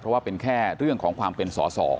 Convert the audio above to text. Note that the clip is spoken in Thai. เพราะว่าเป็นแค่เรื่องของความเป็นสอสอ